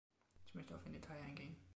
Ich möchte auf ein Detail eingehen.